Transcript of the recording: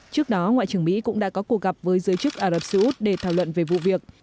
trước đó ngoại trưởng mỹ cũng đã có cuộc gặp với giới chức ả rập xê út để thảo luận về vụ việc